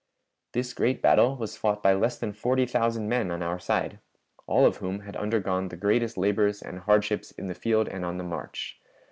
This great battle was fought by less than forty thousand men on our side, all of whom had undergone the greatest labors and hardships in the field and on the march.